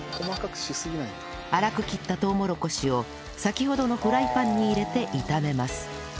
粗く切ったとうもろこしを先ほどのフライパンに入れて炒めます